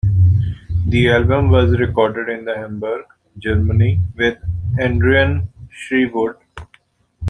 The album was recorded in Hamburg, Germany, with Adrian Sherwood.